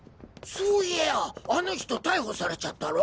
そういやあの人逮捕されちゃったろ？